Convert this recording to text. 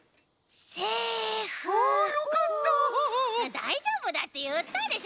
だいじょうぶだっていったでしょ。